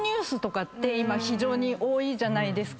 今非常に多いじゃないですか。